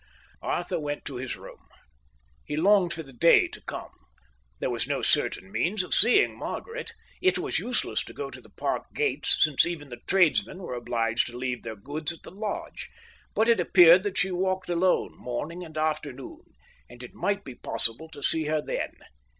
Arthur went to his room. He longed for the day to come. There was no certain means of seeing Margaret. It was useless to go to the park gates, since even the tradesmen were obliged to leave their goods at the lodge; but it appeared that she walked alone, morning and afternoon, and it might be possible to see her then.